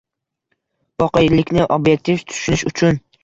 Voqelikni ob’ektiv tushunish uchun